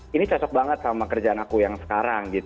jadi ini cocok banget sama kerjaan aku yang sekarang